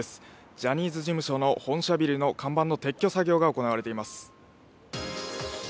ジャニーズ事務所の看板の撤去作業が行われています。